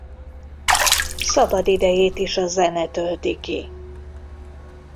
Szabadidejét is a zene tölti ki.